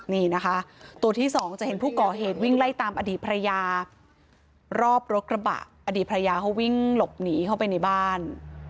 นี่นะคะตัวที่สองจะเห็นผู้ก่อเหตุวิ่งไล่ตามอดีตภรรยารอบรถกระบะอดีตภรรยาเขาวิ่งหลบหนีเข้าไปในบ้าน